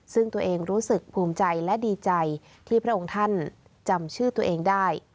ซึ่งตัวเองรู้สึกภูมิใจและดีใจที่พระองค์ท่านจำชื่อตัวเองได้